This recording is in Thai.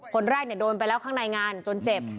คนแรกโดนไปแล้วข้างในงานจนเจ็บ